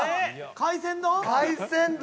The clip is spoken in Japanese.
海鮮丼？